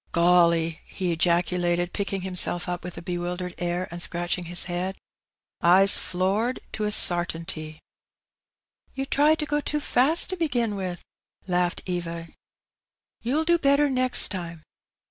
152 Hee Benny. '' QoUy !" he ejaculated^ picking himself up with a bewil dered air, and scratching his head. '^ I's floored^ to a sartinty.'* ''You tried to go too fast to begin with," laughed Eva; you'll do better next time.